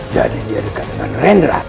jadi dia dekat dengan rendra